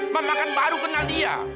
mama kan baru kenal dia